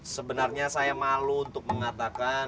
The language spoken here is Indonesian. sebenarnya saya malu untuk mengatakan